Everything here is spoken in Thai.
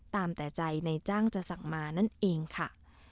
แต่ใจในจ้างจะสั่งมานั่นเองค่ะ